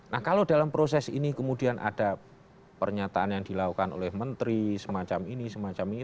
nah kalau dalam proses ini kemudian ada pernyataan yang dilakukan oleh menteri semacam ini semacam ini